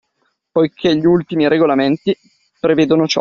Poichè gli ultimi regolamenti prevedono ciò